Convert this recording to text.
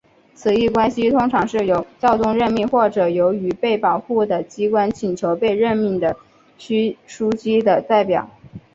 此一关系通常是由教宗任命或是由于被保护的机关请求被任命的枢机的代表。